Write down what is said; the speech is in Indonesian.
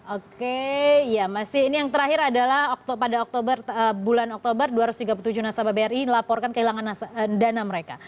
oke ya masih ini yang terakhir adalah pada oktober bulan oktober dua ratus tiga puluh tujuh nasabah bri dilaporkan kehilangan dana mereka